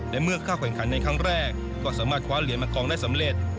และเมื่อเข้าแข่งขันในครั้งแรกก็สามารถคว้าเหรียญมากองได้สำเร็จ